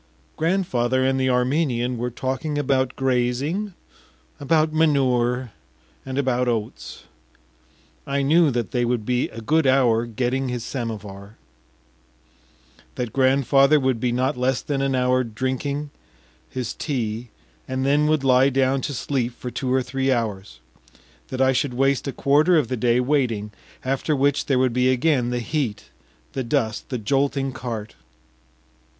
Grandfather and the Armenian were talking about grazing, about manure, and about oats.... I knew that they would be a good hour getting the samovar; that grandfather would be not less than an hour drinking his tea, and then would lie down to sleep for two or three hours; that I should waste a quarter of the day waiting, after which there would be again the heat, the dust, the jolting cart.